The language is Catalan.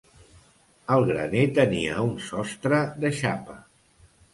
El graner tenia un sostre de xapa.